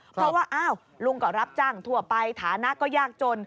เพราะว่าอ้าวลุงก็รับจ้างทั่วไปฐานะก็ยากจน